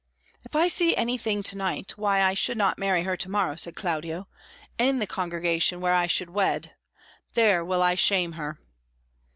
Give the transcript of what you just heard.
"If I see anything to night why I should not marry her to morrow," said Claudio, "in the congregation where I should wed, there will I shame her."